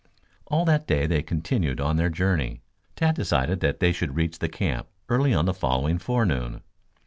All that day they continued on their journey. Tad decided that they should reach the camp early on the following forenoon.